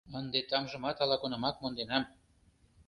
Ынде тамжымат ала-кунамак монденам.